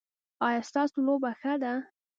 ایا ستاسو لوبه ښه ده؟